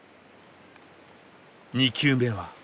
２球目は。